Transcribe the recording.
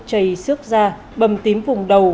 chầy xước da bầm tím vùng đầu